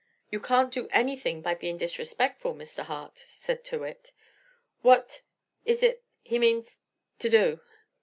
"You can't do anything by being disrespectful, Mr. Hart," said Tyrrwhit. "What is it he means to do?"